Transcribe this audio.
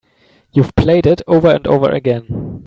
You've played it over and over again.